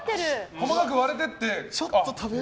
細かく割れてって。